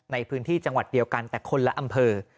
ในพื้นที่จังหวัดเดียวกันแต่คนละอำเภอ